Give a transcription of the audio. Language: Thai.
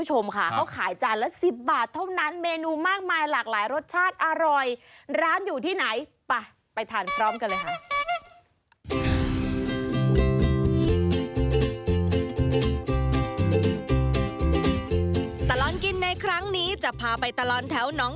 หิมแล้วบ้างป่ะนี้ไม่ได้กินซะทีนี่ไม่กินแล้วเหรอ